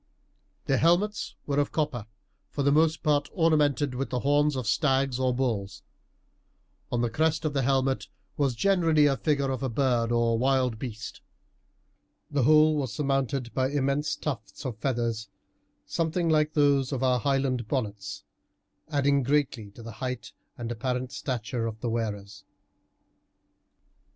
Their helmets were of copper, for the most part ornamented with the horns of stags or bulls. On the crest of the helmet was generally the figure of a bird or wild beast. The whole was surmounted by immense tufts of feathers, something like those of our Highland bonnets, adding greatly to the height and apparent stature of the wearers.